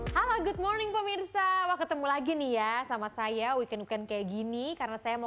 halo good morning pemirsa mau ketemu lagi nih ya sama saya weekend weekend kayak gini karena saya mau